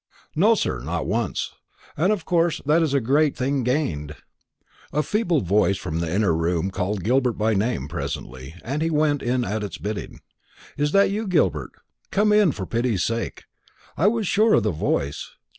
"No, sir, not once; and of course that's a great thing gained." A feeble voice from the inner room called Gilbert by name presently, and he went in at its bidding. "Is that you, Gilbert? Come in, for pity's sake. I was sure of the voice.